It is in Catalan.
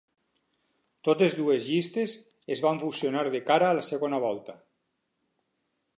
Totes dues llistes es van fusionar de cara a la segona volta.